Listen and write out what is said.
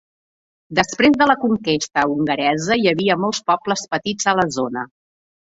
Després de la conquesta hongaresa, hi havia molts pobles petits a la zona.